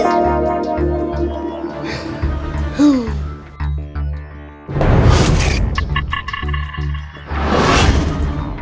jangan jangan nyunah besar sama anaknya